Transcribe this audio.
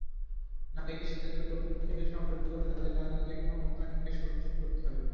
নারীকে সিদ্ধান্ত গ্রহণ প্রক্রিয়ায় সম্পৃক্ত করে তাদের রাজনৈতিক ক্ষমতায়নকে সুপ্রতিষ্ঠিত করতে হবে।